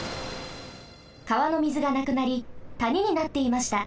かわのみずがなくなりたにになっていました。